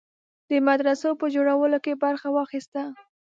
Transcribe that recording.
د مدرسو په جوړولو کې برخه واخیسته.